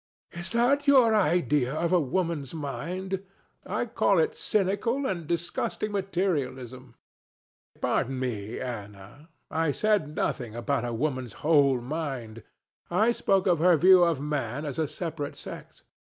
ANA. Is that your idea of a woman's mind? I call it cynical and disgusting materialism. DON JUAN. Pardon me, Ana: I said nothing about a woman's whole mind. I spoke of her view of Man as a separate sex.